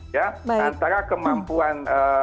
ya antara kemampuan